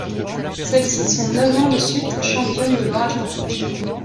Celles-ci sont neuf ans de suite championnes de Loire-Atlantique.